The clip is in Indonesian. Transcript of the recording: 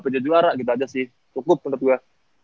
juara gitu aja sih cukup menurut gue